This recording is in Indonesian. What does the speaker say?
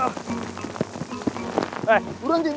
jangan lagi aduh